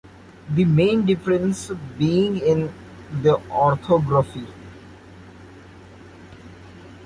The main difference being in the orthography.